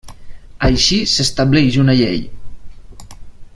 Així s'estableix una llei.